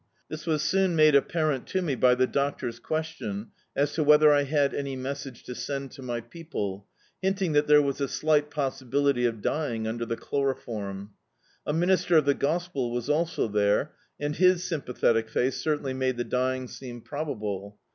This was soon made apparent to me by the doctor's questicHi, as to whether I had any message to send to my people, hinting that there was a slight possibility of dying under the chloro forai. A minister of the gospel was also there, and his sympathetic face certainly made the dying seem probable.